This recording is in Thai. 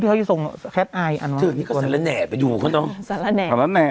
ที่เขาจะทรงอีกอันว่านี่ก็สละแหน่ไปอยู่เขาต้องสละแหน่